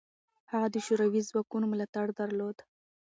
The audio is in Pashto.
هغه د شوروي ځواکونو ملاتړ درلود.